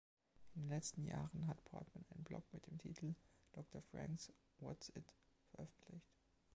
In den letzten Jahren hat Portman einen Blog mit dem Titel Doctor Frank's What‘s-It veröffentlicht.